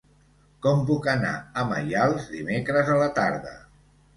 Com puc anar a Maials dimecres a la tarda?